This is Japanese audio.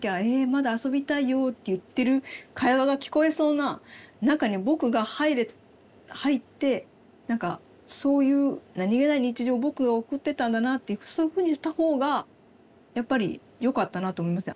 まだ遊びたいよって言ってる会話が聞こえそうな中に「ぼく」が入って何かそういう何気ない日常を「ぼく」が送ってたんだなっていうそういうふうにした方がやっぱりよかったなと思います。